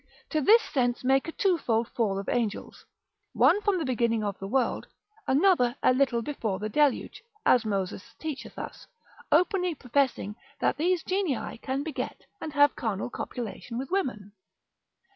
to this sense make a twofold fall of angels, one from the beginning of the world, another a little before the deluge, as Moses teacheth us, openly professing that these genii can beget, and have carnal copulation with women.